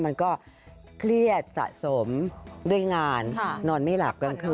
มันก็เครียดสะสมด้วยงานนอนไม่หลับกลางคืน